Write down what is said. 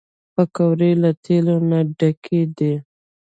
پکورې له تیلو نه ډکې دي